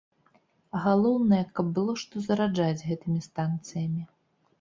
Галоўнае, каб было што зараджаць гэтымі станцыямі.